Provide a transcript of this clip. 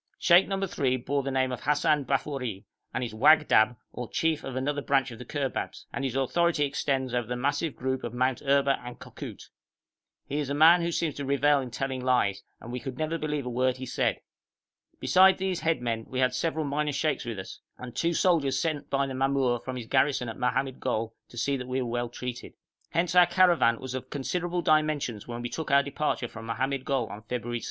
Sheikh number three bore the name of Hassan Bafori, and is wagdab or chief of another branch of the Kurbabs, and his authority extends over the massive group of Mount Erba and Kokout. He is a man who seems to revel in telling lies, and we never could believe a word he said. Besides these head men we had several minor sheikhs with us, and two soldiers sent by the mamour from his garrison at Mohammed Gol to see that we were well treated. Hence our caravan was of considerable dimensions when we took our departure from Mohammed Gol on February 6.